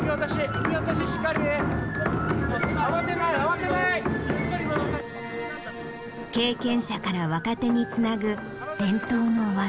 経験者から若手につなぐ伝統の技。